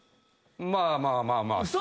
まあまあまあまあ。